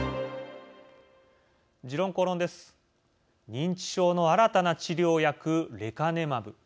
認知症の新たな治療薬レカネマブ。